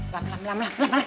lam lam lam